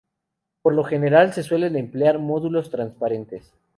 Por lo general, se suelen emplear módulos transparentes.